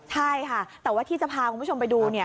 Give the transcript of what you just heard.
ใช่ค่ะแต่ว่าที่จะพาคุณผู้ชมไปดู